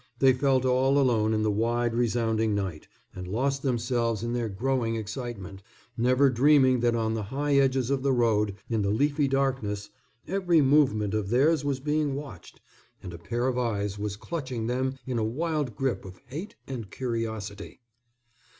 They felt all alone in the wide resounding night and lost themselves in their growing excitement, never dreaming that on the high edges of the road, in the leafy darkness, every movement of theirs was being watched, and a pair of eyes was clutching them in a wild grip of hate and curiosity.